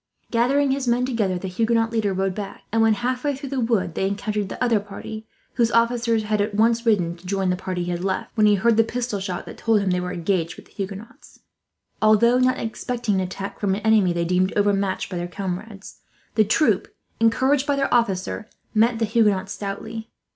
Gathering his men together, the Huguenot leader rode back and, when halfway through the wood, they encountered the other party; whose officer had at once ridden to join the party he had left, when he heard the pistol shot that told him they were engaged with the Huguenots. Although not expecting an attack from an enemy they deemed overmatched by their comrades, the troop, encouraged by their officer, met the Huguenots stoutly.